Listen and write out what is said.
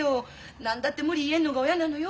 何だって無理言えるのが親なのよ？